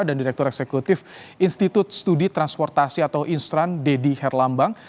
dan direktur eksekutif institut studi transportasi atau instran dedy herlambang